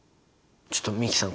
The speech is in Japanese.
ちょっと美樹さん